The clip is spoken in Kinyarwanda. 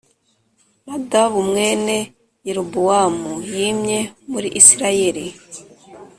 Nadabu mwene Yerobowamu yimye muri Isirayeli